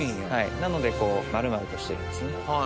なので丸々としてるんですね。